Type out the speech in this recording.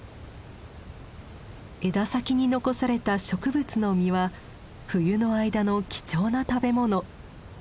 枝先に残された植物の実は冬の間の貴重な食べ物。